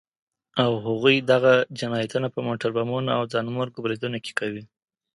او هغوی دغه جنايتونه په موټر بمونو او ځانمرګو بريدونو کې کوي.